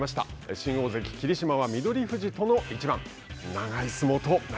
新大関・霧島は翠富士との一番。